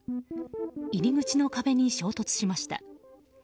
入り口の壁に衝突しました。